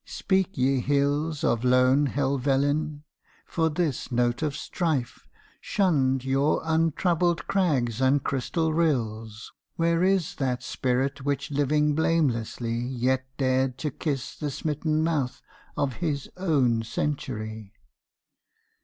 speak ye hills Of lone Helvellyn, for this note of strife Shunned your untroubled crags and crystal rills, Where is that Spirit which living blamelessly Yet dared to kiss the smitten mouth of his own century!